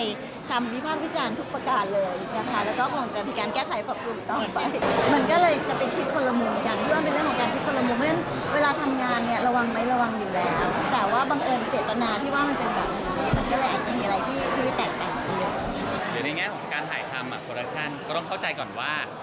ในแง่ในแง่ของการถ่ายทำโปรดักชั่นก็ต้องเข้าใจก่อนว่า